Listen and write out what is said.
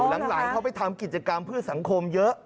หลังเขาไปทำกิจกรรมเพื่อสังคมเยอะ